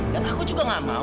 dan aku juga gak mau